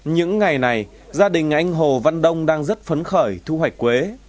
những ngày này gia đình anh hồ văn đông đang rất phấn khởi thu hoạch quế